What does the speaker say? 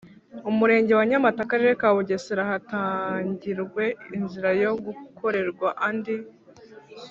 umurenge wa nyamata akarere ka bugesera hatangirwe inzira yo gukorerwa andi